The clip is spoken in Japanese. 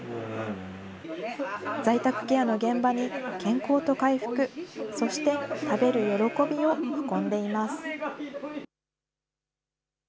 在宅ケアの現場に、健康と回復、そして食べる喜びを運んでいます。